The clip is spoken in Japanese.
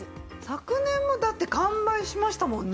昨年もだって完売しましたもんね。